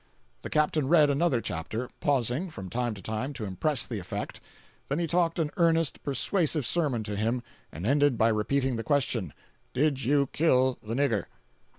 The captain read another chapter, pausing, from time to time, to impress the effect. Then he talked an earnest, persuasive sermon to him, and ended by repeating the question: "Did you kill the nigger?"